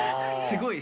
すごい。